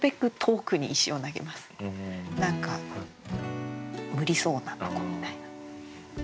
何か無理そうなとこみたいな。